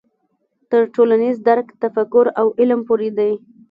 تر ټولنیز درک تفکر او عمل پورې دی.